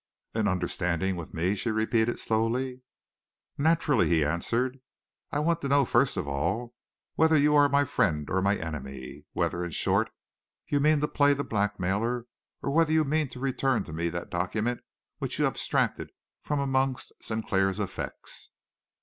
"An understanding with me?" she repeated slowly. "Naturally," he answered. "I want to know, first of all, whether you are my friend or my enemy, whether, in short, you mean to play the blackmailer, or whether you mean to return to me that document which you abstracted from amongst Sinclair's effects."